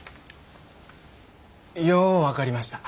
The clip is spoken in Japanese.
よう分かりました。